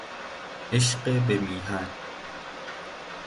عشق به میهن